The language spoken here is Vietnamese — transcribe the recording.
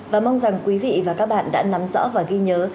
và mong rằng quý vị và các bạn đã nắm rõ và ghi nhớ